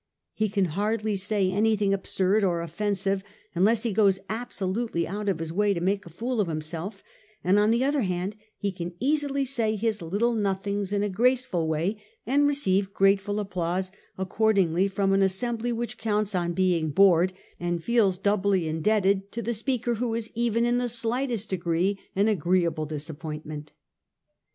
He can hardly say anything absurd or offensive unless he goes absolutely out of his way to make a fool of him self; and on the other hand he can easily say his little nothings in a graceful way, and receive grateful applause accordingly from an assembly which counts on being bored, and feels doubly indebted to the speaker who is even in the slightest degree an agreeable disappointment.